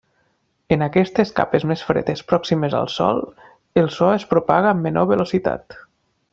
En aquestes capes més fredes pròximes al sòl, el so es propaga amb menor velocitat.